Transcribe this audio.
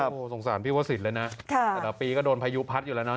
โหสงสารพี่พระสิทธิ์เลยนะแต่ต่อปีก็โดนพายุพัดอยู่แล้วนะ